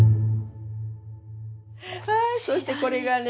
はいそしてこれがですね。